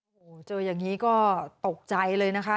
โอ้โหเจออย่างนี้ก็ตกใจเลยนะคะ